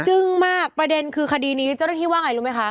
ึ้งมากประเด็นคือคดีนี้เจ้าหน้าที่ว่าไงรู้ไหมคะ